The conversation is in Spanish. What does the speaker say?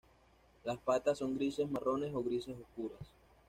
Las patas son grises marrones o grises oscuras.